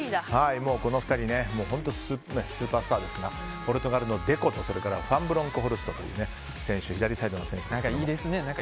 この２人本当スーパースターですがポルトガルのデコとファン・ブロンクホルストという選手です。